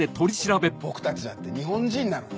僕たちだって日本人なのに。